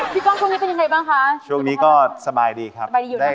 กล้องช่วงนี้เป็นยังไงบ้างคะช่วงนี้ก็สบายดีครับสบายดีอยู่แล้ว